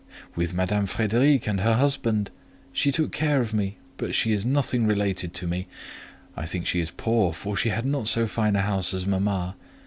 "With Madame Frédéric and her husband: she took care of me, but she is nothing related to me. I think she is poor, for she had not so fine a house as mama.